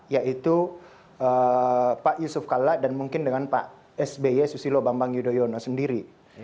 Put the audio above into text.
yaitu pak yusuf kalla dan mungkin dengan pak sby susilo bambang yudhoyono sendiri